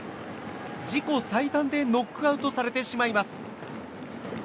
自己最短でノックアウトされてしまいます。